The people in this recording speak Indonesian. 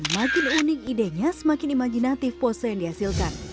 makin unik idenya semakin imajinatif pose yang dihasilkan